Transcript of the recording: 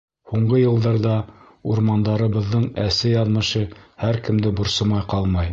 Һуңғы йылдарҙа урмандарыбыҙҙың әсе яҙмышы һәр кемде борсомай ҡалмай.